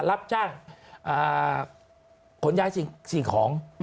รับจ้างขนย้ายสิ่งของ